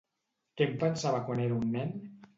Què en pensava quan era un nen?